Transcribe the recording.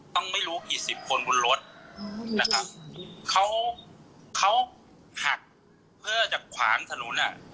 ต้องไม่รู้กี่สิบคนบนรถนะครับเขาเขาหักเพื่อจะขวางถนนอ่ะ